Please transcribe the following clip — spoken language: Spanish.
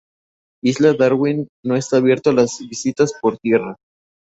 Isla Darwin no está abierta a las visitas por tierra.